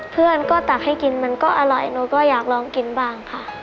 เพื่อนก็ตักให้กินมันก็อร่อยหนูก็อยากลองกินบ้างค่ะ